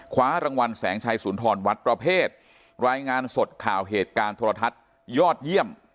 คว้ารางวัลแสงชัยสุนทรวัดประเภทรายงานสดข่าวเหตุการณ์โทรทัศน์ยอดเยี่ยม